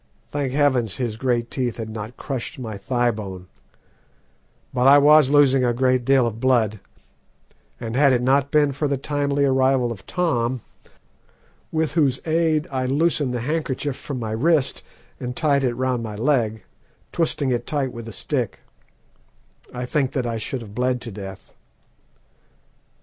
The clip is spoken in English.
Thank heavens, his great teeth had not crushed my thigh bone; but I was losing a great deal of blood, and had it not been for the timely arrival of Tom, with whose aid I loosed the handkerchief from my wrist and tied it round my leg, twisting it tight with a stick, I think that I should have bled to death.